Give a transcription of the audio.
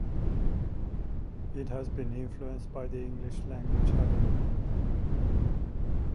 It has been influenced by the English language heavily.